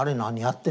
って。